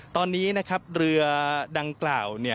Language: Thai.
ตอนนี้เรือดังกล่าว